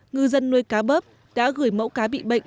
ngư dân nuôi cá bớp đã gửi mẫu cá bị bệnh